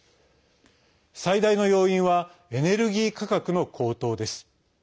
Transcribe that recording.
最大の要因はエネルギー価格の高騰です。